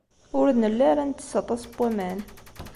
Ur nelli ara nettes aṭas n waman.